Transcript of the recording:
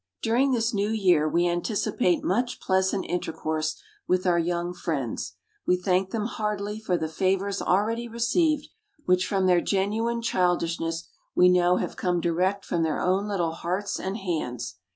] During this new year we anticipate much pleasant intercourse with our young friends. We thank them heartily for the favors already received, which from their genuine childishness we know have come direct from their own little hearts and hands.